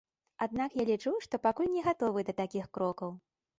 Аднак я лічу, што пакуль не гатовы да такіх крокаў.